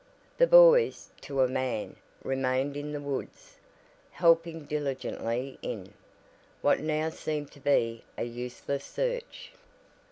The boys "to a man" remained in the woods, helping diligently in, what now seemed to be, a useless search.